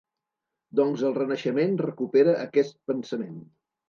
Doncs el Renaixent recupera aquest pensament.